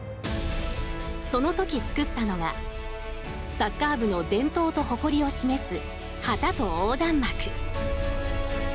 その時、作ったのがサッカー部の伝統と誇りを示す旗と横断幕。